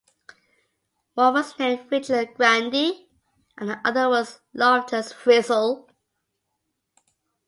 One was named Richard Grandy, and the other was Loftus Frizzel.